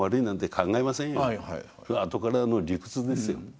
あとからの理屈ですよ。